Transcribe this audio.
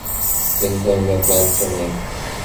কিন্তু আমরা ক্লান্ত নই।